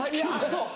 そう！